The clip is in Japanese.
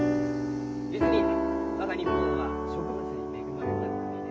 実に我が日本は植物に恵まれた国で。